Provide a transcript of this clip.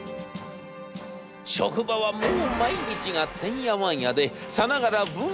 職場はもう毎日がてんやわんやでさながら文化祭の前日です。